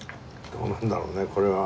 どうなんだろうねこれは。